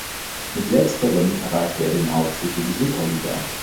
Mit Letzterem erreichte er den Aufstieg in die Superliga.